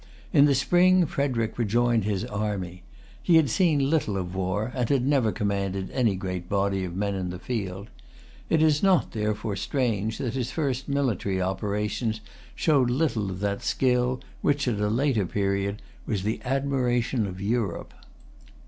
In the spring Frederic rejoined his army. He had seen little of war, and had never commanded any great body of men in the field. It is not, therefore, strange that his first military operations showed little of that skill which, at a later period, was the admiration of Europe.